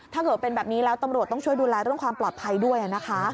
ถ้าเกิดเป็นแบบนี้แล้วตำรวจต้องช่วยดูแลเรื่องความปลอดภัยด้วยนะคะ